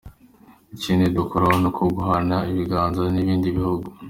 Ikindi dukora ni uko duhana ibibanza n’ibindi bihugu.